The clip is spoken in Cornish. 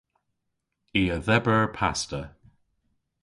I a dheber pasta.